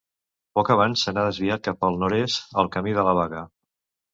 Poc abans se n'ha desviat cap al nord-est el Camí de la Baga.